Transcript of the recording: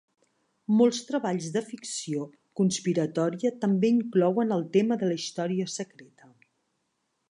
Molts treballs de ficció conspiratòria també inclouen el tema de la història secreta.